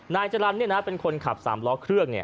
นายจรรย์เป็นคนขับ๓ล้อเครื่อง